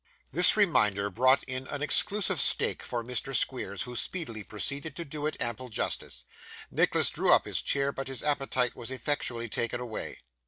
This reminder brought in an exclusive steak for Mr. Squeers, who speedily proceeded to do it ample justice. Nicholas drew up his chair, but his appetite was effectually taken away.